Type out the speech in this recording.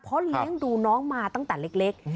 เพราะเลี้ยงดูน้องมาตั้งแต่เล็ก